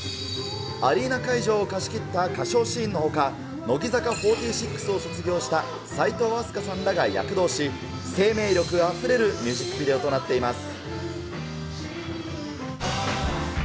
アリーナ会場を貸し切った歌唱シーンのほか、乃木坂４６を卒業した齋藤飛鳥さんらが躍動し、生命力あふれるミュージックビデオとなっています。